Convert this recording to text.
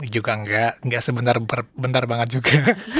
juga gak gak sebentar bentar banget juga